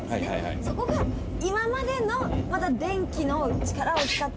そこが今までのまた電気の力を使って。